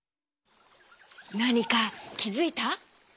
なにかきづいた？